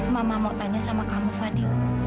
mama mau tanya sama kamu fadil